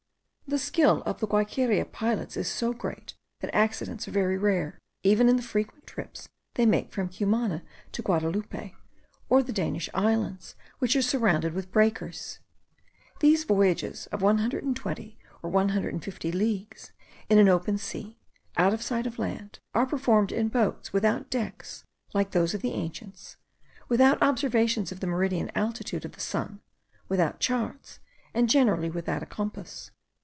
The skill of the Guaiqueria pilots is so great, that accidents are very rare, even in the frequent trips they make from Cumana to Guadaloupe, or the Danish islands, which are surrounded with breakers. These voyages of 120 or 150 leagues, in an open sea, out of sight of land, are performed in boats without decks, like those of the ancients, without observations of the meridian altitude of the sun, without charts, and generally without a compass.